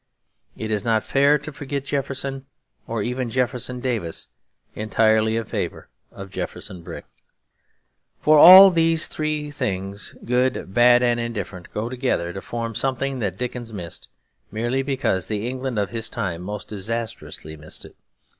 It is not fair to forget Jefferson, or even Jefferson Davis, entirely in favour of Jefferson Brick. For all these three things, good, bad, and indifferent, go together to form something that Dickens missed, merely because the England of his time most disastrously missed it.